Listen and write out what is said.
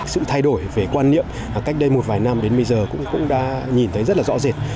sự thay đổi về quan niệm cách đây một vài năm đến bây giờ cũng đã nhìn thấy rất là rõ rệt